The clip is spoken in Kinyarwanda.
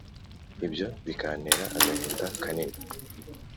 ibyo bikantera agahinda kanini,